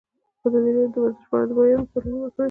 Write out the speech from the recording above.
ازادي راډیو د ورزش په اړه د بریاوو مثالونه ورکړي.